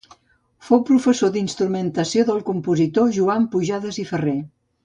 Fou professor d'instrumentació del compositor Joan Pujades i Ferrer.